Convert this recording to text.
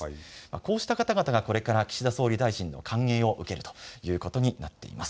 こうした方々がこれから岸田総理大臣の歓迎を受けるということになっています。